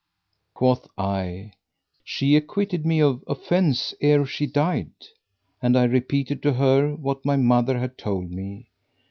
Quoth I, "She acquitted me of offence ere she died;" and I repeated to her what my mother had told me.